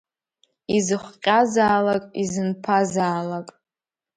Изыхҟьазаалак, изынԥазаалак…